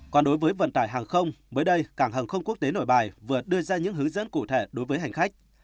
còn đối với vận tải hàng không mới đây cảng hàng không quốc tế nội bài vừa đưa ra những hướng dẫn cụ thể đối với hành khách